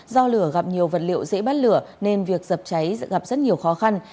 do lửa gặp nhiều vật liệu dễ bắt lửa nên việc dập cháy gặp rất nhiều khó khăn